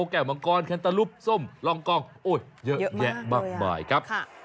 แก่มังกรแคนตาลูปส้มรองกองเยอะแยะมากมายครับ